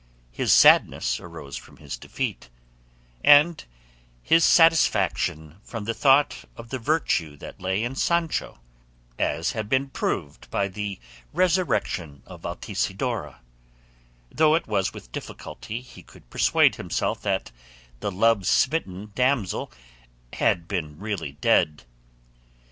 His sadness arose from his defeat, and his satisfaction from the thought of the virtue that lay in Sancho, as had been proved by the resurrection of Altisidora; though it was with difficulty he could persuade himself that the love smitten damsel had been really dead.